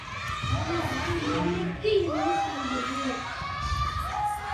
ஆனால், நாளைக்கு என்ன செய்வது?